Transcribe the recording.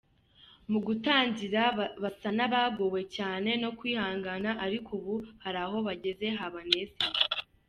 Mu gutangira basa n’abagowe cyane no kwihangana ariko ubu hari aho bageze habanezeza.